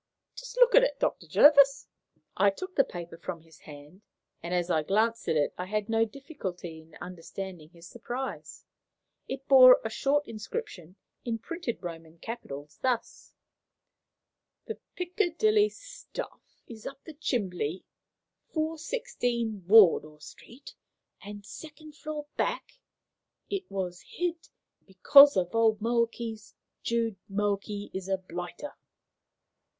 "Just look at it, Dr. Jervis." I took the paper from his hand, and, as I glanced at it, I had no difficulty in understanding his surprise. It bore a short inscription in printed Roman capitals, thus: "THE PICKERDILLEY STUF IS UP THE CHIMBLY 416 WARDOUR ST 2ND FLOUR BACK IT WAS HID BECOS OF OLD MOAKEYS JOOD MOAKEY IS A BLITER."